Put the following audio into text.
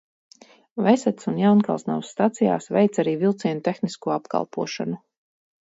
Vesetas un Jaunkalsnavas stacijās veic arī vilcienu tehnisko apkalpošanu.